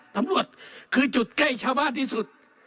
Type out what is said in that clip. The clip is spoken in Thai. ตำรวจคือจุดใกล้ชาวบ้านที่สุด